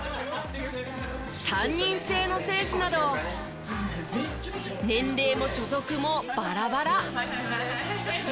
３人制の選手など年齢も所属もバラバラ。